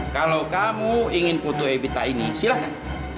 kalau kamu ingin putu evita ini silahkan